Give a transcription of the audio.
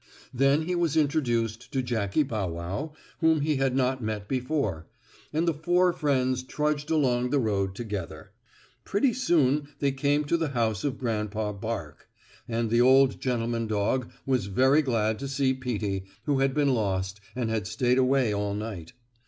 Then he was introduced to Jackie Bow Wow, whom he had not met before, and the four friends trudged along the road together. Pretty soon they came to the house of Grandpa Bark, and the old gentleman dog was very glad to see Peetie, who had been lost, and had stayed away all night.